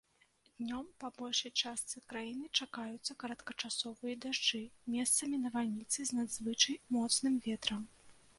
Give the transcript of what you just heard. Днём па большай частцы краіны чакаюцца кароткачасовыя дажджы, месцамі навальніцы з надзвычай моцным ветрам.